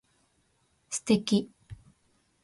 素敵